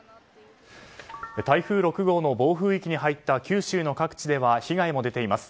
台風６号の暴風域に入った九州の各地では被害も出ています。